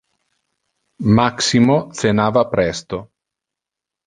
Maximo cenava presto.